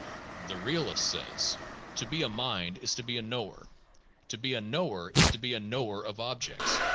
'' The realist says :" To be a mind is to be a knower ; to be a knower is to be a knower of objects.